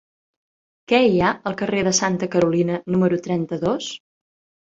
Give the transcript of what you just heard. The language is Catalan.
Què hi ha al carrer de Santa Carolina número trenta-dos?